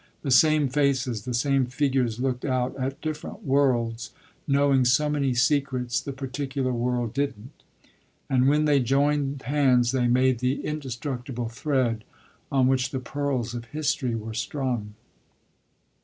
The same faces, the same figures looked out at different worlds, knowing so many secrets the particular world didn't, and when they joined hands they made the indestructible thread on which the pearls of history were strung.